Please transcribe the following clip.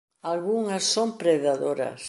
Algunhas son predadoras.